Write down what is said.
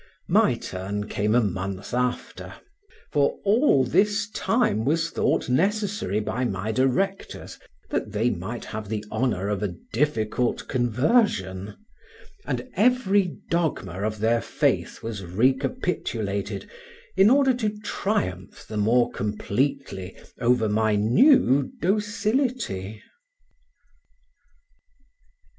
My turn came a month after; for all this time was thought necessary by my directors, that they might have the honor of a difficult conversion, and every dogma of their faith was recapitulated, in order to triumph the more completely over my new docility.